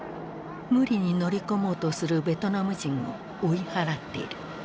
無理に乗り込もうとするベトナム人を追い払っている。